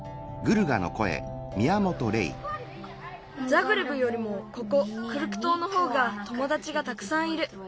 ザグレブよりもここクルク島のほうがともだちがたくさんいる。